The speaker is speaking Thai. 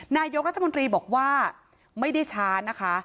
นายกรัฐมนตรีบอกว่าไม่ได้ช้านะคะ